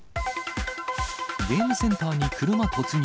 ゲームセンターに車突入。